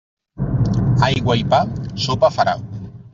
Aigua i pa, sopa farà.